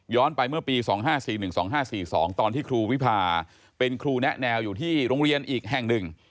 ไปเมื่อปี๒๕๔๑๒๕๔๒ตอนที่ครูวิพาเป็นครูแนะแนวอยู่ที่โรงเรียนอีกแห่งหนึ่ง